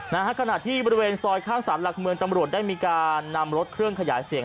ขณะที่บริเวณซอยข้างสารหลักเมืองตำรวจได้มีการนำรถเครื่องขยายเสียง